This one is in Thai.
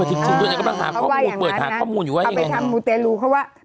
เออจริงอย่างนั้นนะเอาไปทำมูเตรลูเพราะว่า